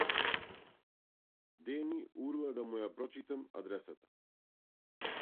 Дени урла да му ја прочитам адресата.